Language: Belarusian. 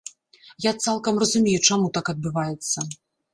Я цалкам разумею, чаму так адбываецца.